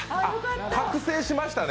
覚醒しましたね。